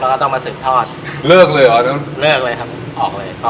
แล้วก็ต้องมาสืบทอดเลิกเลยเหรอเลิกเลยครับออกเลยออก